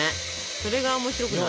それが面白くない？